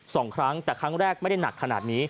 สองครั้งแต่ครั้งแรกไม่ได้หนักขนาดนี้